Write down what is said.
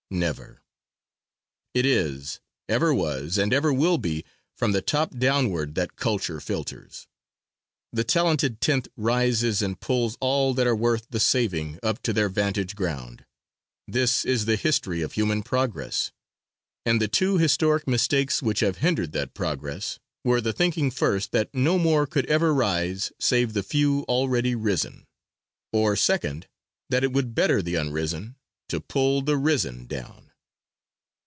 Never; it is, ever was and ever will be from the top downward that culture filters. The Talented Tenth rises and pulls all that are worth the saving up to their vantage ground. This is the history of human progress; and the two historic mistakes which have hindered that progress were the thinking first that no more could ever rise save the few already risen; or second, that it would better the unrisen to pull the risen down.